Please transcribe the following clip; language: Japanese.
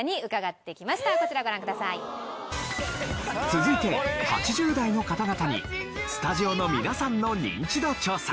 続いて８０代の方々にスタジオの皆さんのニンチド調査。